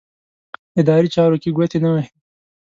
اداري چارو کې ګوتې نه وهي.